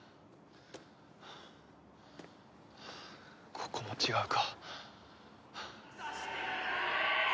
ここも違うか。